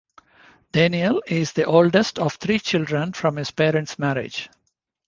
Daniel is the oldest of three children from his parents' marriage.